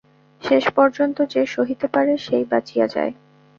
শেষ পর্যন্ত যে সহিতে পারে সেই বাঁচিয়া যায়।